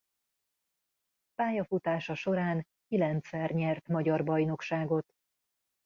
Pályafutása során kilencszer nyert magyar bajnokságot.